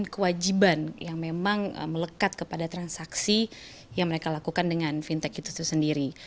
kewajiban yang memang melekat kepada transaksi yang mereka lakukan dengan fintech itu sendiri